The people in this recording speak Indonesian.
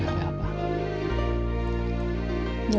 biasanya kan gak pernah dibawain apa apa